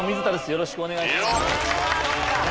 よろしくお願いします。